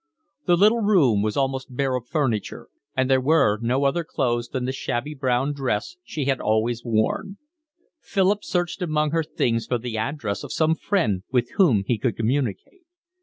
The little room was almost bare of furniture, and there were no other clothes than the shabby brown dress she had always worn. Philip searched among her things for the address of some friend with whom he could communicate.